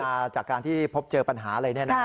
ใช่จากการที่พบเจอปัญหาอะไรเนี้ยนะฮะ